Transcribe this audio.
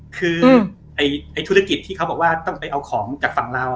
คือธุรกิจที่เขาบอกว่าต้องไปเอาของจากฝั่งเรา